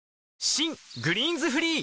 新「グリーンズフリー」